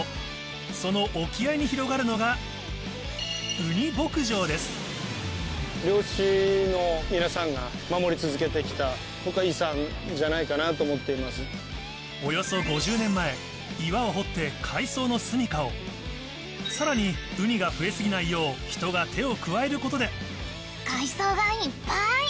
その沖合に広がるのがおよそ５０年前岩を掘って海藻のすみかをさらにウニが増え過ぎないよう人が手を加えることで海藻がいっぱい！